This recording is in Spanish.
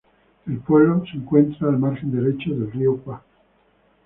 El pueblo de encuentra al margen derecho del río Cúa.